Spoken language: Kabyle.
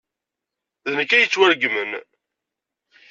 D nekk ay yettwaregmen.